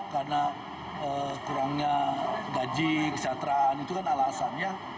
karena kurangnya gaji kesehatan itu kan alasannya